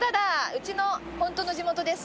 うちのホントの地元です。